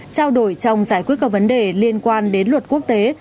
trao đổi trong giải quyết các vấn đề liên quan đến luật quốc tế